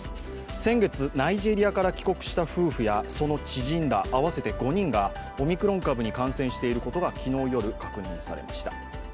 先月、ナイジェリアから帰国した夫婦やその知人ら合わせて５人がオミクロン株に感染していることが昨日夜確認されました。